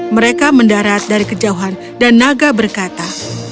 mereka mendarat dari kejauhan dan naga berkata